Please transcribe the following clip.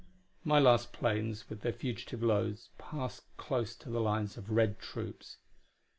My last planes with their fugitive loads passed close to the lines of red troops.